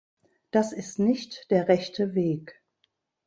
Das ist nicht der rechte Weg.